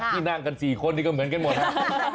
ที่นั่งกันสี่คนก็เหมือนกันหมดค่ะ